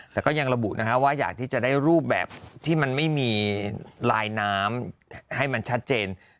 แต่ก็ยังระบุว่าอยากที่จะได้รูปแบบที่มันไม่มีลายน้ำให้มันชัดเจน